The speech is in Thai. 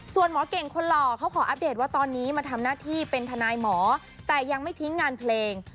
ส่วนหมอเก่งคนหล่อเขาขออัปเดตว่าตอนนี้มาทำหน้าที่เป็นทนายหมอแต่ยังไม่ทิ้งงานเพลง